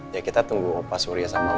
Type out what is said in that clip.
ya kita tunggu